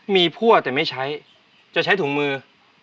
มีผัวแต่ไม่ใช้จะใช้ถุงมือ